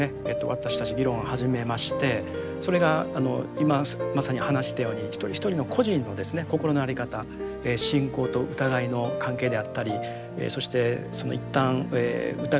私たち議論を始めましてそれが今まさに話したように一人一人の個人の心の在り方信仰と疑いの関係であったりそして一旦疑いなき道を行った人がですね